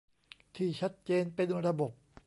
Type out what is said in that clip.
ที่ชัดเจนเป็นระบบ